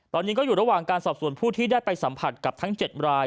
ตอนนี้ก็อยู่ระหว่างการสอบส่วนผู้ที่ได้ไปสัมผัสกับทั้ง๗ราย